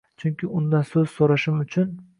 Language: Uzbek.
Сhunki Undan so‘z so‘rashim uchun.